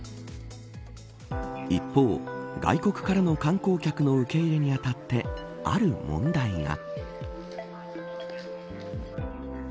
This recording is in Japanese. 一方、外国からの観光客の受け入れにあたってある問題が。